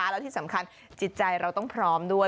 แล้วที่สำคัญจิตใจเราต้องพร้อมด้วย